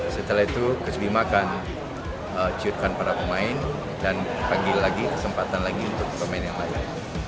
setelah itu kus bima akan ciutkan para pemain dan panggil lagi kesempatan lagi untuk pemain yang lain